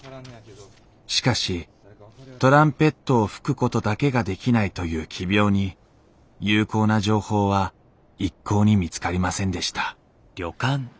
しかしトランペットを吹くことだけができないという奇病に有効な情報は一向に見つかりませんでした